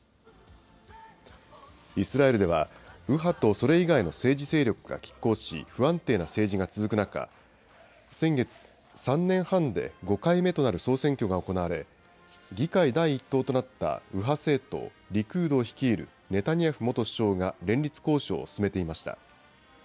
イスラエルでは、右派とそれ以外の政治勢力がきっ抗し、不安定な政治が続く中、先月、３年半で５回目となる総選挙が行われ、議会第１党となった右派政党、リクード率いるネタニヤフ元首相が連立交渉を進めていました。